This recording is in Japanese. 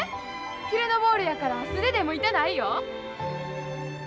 きれのボールやから素手でも痛ないよ。